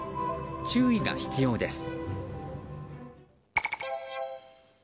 注意が必要です。